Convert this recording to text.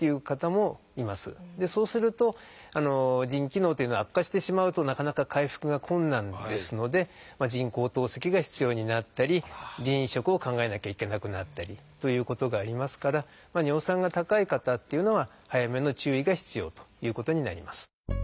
そうすると腎機能というのは悪化してしまうとなかなか回復が困難ですので人工透析が必要になったり腎移植を考えなきゃいけなくなったりということがありますから尿酸が高い方っていうのは早めの注意が必要ということになります。